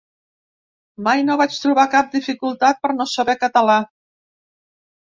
“Mai no vaig trobar cap dificultat per no saber català”